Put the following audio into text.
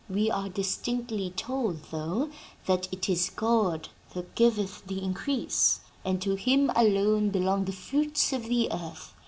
We are distinctly told, though, that 'it is God that giveth the increase;' and to him alone belong the fruits of the earth.